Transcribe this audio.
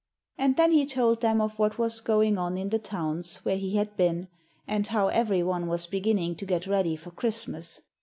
And then he told them of what was going on in the towns where he had been, and how every one was beginning to get ready for Christmas.